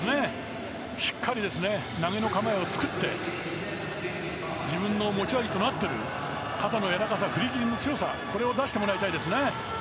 しっかり投げの構えを作って自分の持ち味となっている肩のやわらかさ振り切りの強さを出してもらいたいですね。